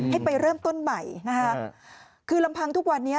ให้ไปเริ่มต้นใหม่นะฮะคือลำพังทุกวันนี้